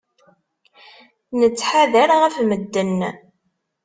Nettḥadar ɣef medden.